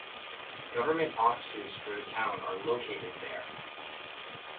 Government offices for the town are located there.